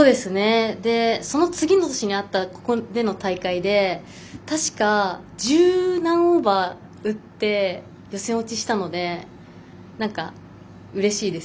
その次の年にあったここでの大会で確か、十何オーバー打って予選落ちしたのでなんかうれしいです。